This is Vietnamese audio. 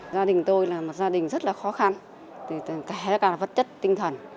gia đình tôi là một gia đình rất là khó khăn tất cả là vật chất tinh thần